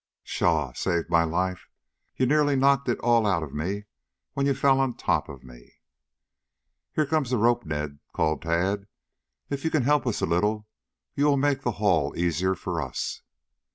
"Pshaw! Saved my life! You nearly knocked it all out of me when you fell on top of me." "Here comes the rope, Ned," called Tad. "If you can help us a little you will make the haul easier for us."